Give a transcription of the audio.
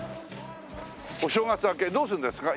お正月明けどうするんですか？